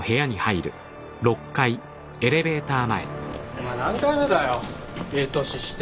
お前何回目だよいい年して。